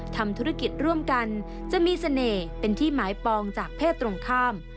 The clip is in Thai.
ทำธุรกิจร่วมกันจะมีเสน่ห์เป็นที่หมายปองจากเพศตรงข้าม